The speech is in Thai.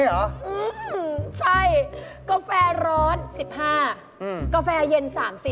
เหรอใช่กาแฟร้อน๑๕กาแฟเย็น๓๐